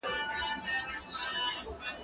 زه به سبا بازار ته ولاړ سم،